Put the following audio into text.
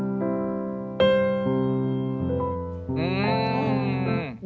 うん。